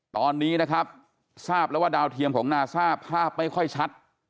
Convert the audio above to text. ตอนนี้นะครับทราบแล้วว่าดาวเทียมของนาซ่าภาพไม่ค่อยชัด